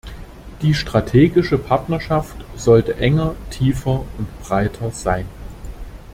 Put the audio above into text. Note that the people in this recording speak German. Die strategische Partnerschaft sollte enger, tiefer und breiter sein.